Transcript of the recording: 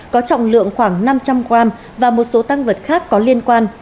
có trọng lượng khoảng năm trăm linh g và một số tăng vật khác có liên quan